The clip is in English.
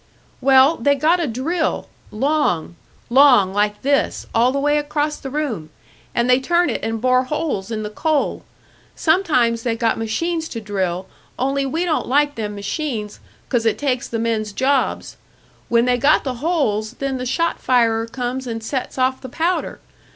"Well, they got a drill long, long, like this, all the way across the room; and they turn it and bore holes in the coal. Sometimes they got machines to drill, only we don't like them machines, 'cause it takes the men's jobs. When they got the holes, then the shot firer comes and sets off the powder.